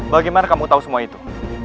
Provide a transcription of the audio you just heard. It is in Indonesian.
bagaimana kamu tahu semua itu